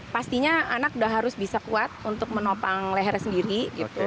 pastinya anak udah harus bisa kuat untuk menopang lehernya sendiri gitu